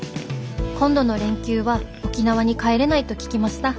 今度の連休は沖縄に帰れないと聞きました。